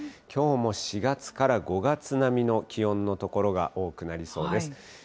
きょうも４月から５月並みの気温の所が多くなりそうです。